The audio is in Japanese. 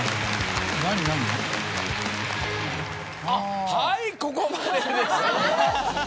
あっはいここまでです。